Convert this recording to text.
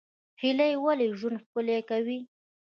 هیلې ولې ژوند ښکلی کوي؟